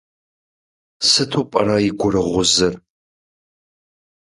Сыту пӏэрэ и гурыгъузыр?